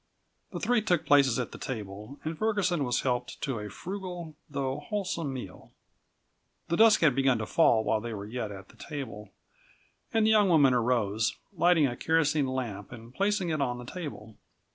The three took places at the table, and Ferguson was helped to a frugal, though wholesome meal. The dusk had begun to fall while they were yet at the table, and the young woman arose, lighting a kerosene lamp and placing it on the table.